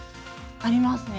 ありますね。